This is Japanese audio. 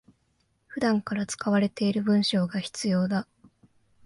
普段から使われている文章が必要だ